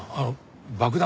爆弾